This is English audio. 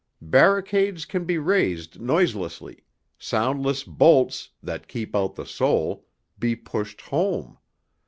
Barricades can be raised noiselessly, soundless bolts that keep out the soul be pushed home.